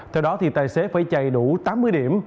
theo đó thì tài xế phải chạy đủ tám mươi điểm